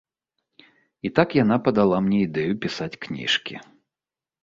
І так яна падала мне ідэю пісаць кніжкі.